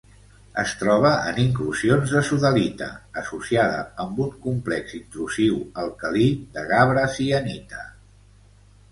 Es troba en inclusions de sodalita associada amb un complex intrusiu alcalí de gabre-sienita.